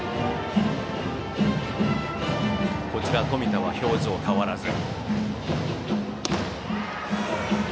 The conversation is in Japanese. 冨田は表情変わらず。